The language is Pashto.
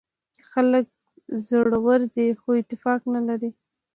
خلک زړور دي خو اتفاق نه لري.